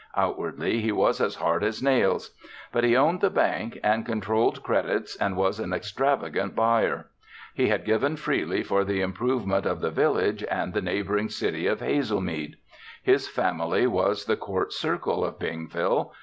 Outwardly, he was as hard as nails. But he owned the bank and controlled credits and was an extravagant buyer. He had given freely for the improvement of the village and the neighboring city of Hazelmead. His family was the court circle of Bingville.